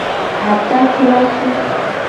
Atakplasu.